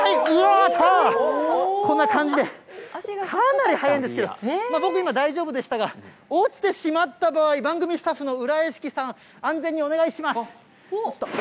こんな感じで、かなり速いんですけど、僕、今、大丈夫でしたが、落ちてしまった場合、番組スタッフのうらやしきさん、安全にお願いします。